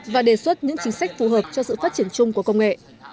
và đề xuất những chính sách phù hợp cho sự phát triển chung của công nghệ